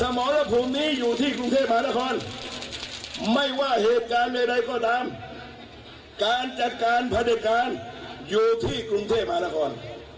หมอรภูมินี้อยู่ที่กรุงเทพมหานครไม่ว่าเหตุการณ์ใดก็ตามการจัดการผลิตการอยู่ที่กรุงเทพมหานคร